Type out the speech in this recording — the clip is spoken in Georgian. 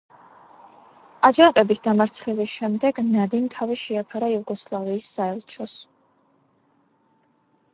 აჯანყების დამარცხების შემდეგ ნადიმ თავი შეაფარა იუგოსლავიის საელჩოს.